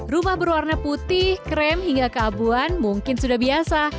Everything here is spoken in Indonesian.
rumah berwarna putih krem hingga keabuan mungkin sudah biasa